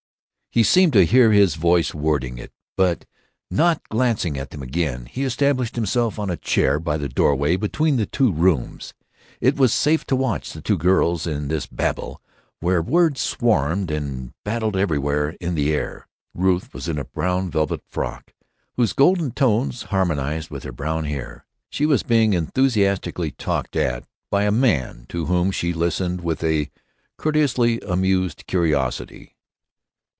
He seemed to hear his voice wording it. But, not glancing at them again, he established himself on a chair by the doorway between the two rooms. It was safe to watch the two girls in this Babel, where words swarmed and battled everywhere in the air. Ruth was in a brown velvet frock whose golden tones harmonized with her brown hair. She was being enthusiastically talked at by a man to whom she listened with a courteously amused curiosity.